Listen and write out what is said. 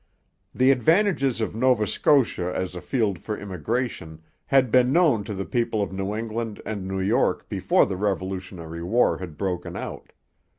The advantages of Nova Scotia as a field for immigration had been known to the people of New England and New York before the Revolutionary War had broken out.